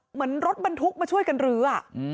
เหมือนรถบรรทุกมาช่วยกันลื้อ